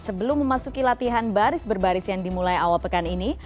sebelum memasuki latihan baris berbaris yang dimulai awal pekan ini